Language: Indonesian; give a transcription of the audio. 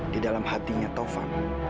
di dalam hatinya taufan